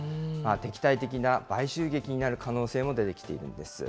敵対的な買収劇になる可能性も出てきているんです。